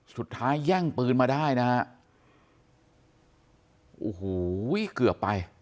สุดท้ายแย่งปืนมาได้นะโอ้โหเกือบไป